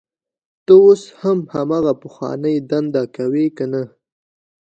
ته اوس هم هغه پخوانۍ دنده کوې کنه